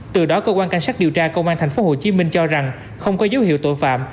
từ đó cơ quan cảnh sát điều tra công an tp hcm cho rằng không có dấu hiệu tội phạm